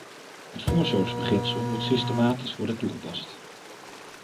Het voorzorgsbeginsel moet systematisch worden toegepast.